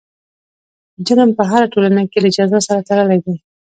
جرم په هره ټولنه کې له جزا سره تړلی دی.